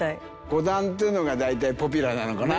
５段っていうのが大体ポピュラーなのかな？